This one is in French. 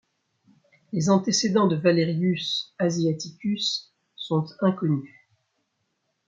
Les antécédents de Valerius Asiaticus sont inconnus.